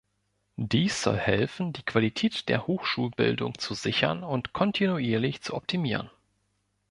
Dies soll helfen, die Qualität der Hochschulbildung zu sichern und kontinuierlich zu optimieren.